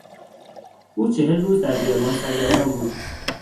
او چهل روز در بیابان سرگردان بود.